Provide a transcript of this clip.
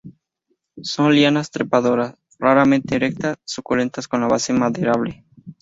Son lianas trepadoras, raramente erectas, suculentas con la base maderable.